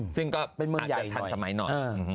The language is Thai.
ซึ่งก็อาจจะอาจทันสมัยหน่อย